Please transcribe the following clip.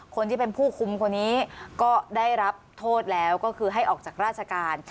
คนที่เป็นผู้คุมคนนี้ก็ได้รับโทษแล้วก็คือให้ออกจากราชการ